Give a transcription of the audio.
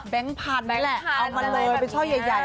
พันธุ์นี่แหละเอามาเลยเป็นช่อใหญ่